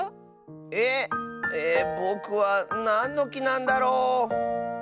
えっ？えぼくはなんのきなんだろう。